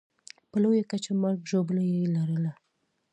په لویه کچه مرګ ژوبله یې لرله.